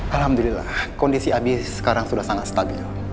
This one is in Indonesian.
alhamdulillah kondisi abi sekarang sudah sangat stabil